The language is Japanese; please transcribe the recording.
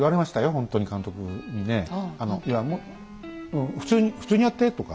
ほんとに監督にねいや「普通にやって」とか。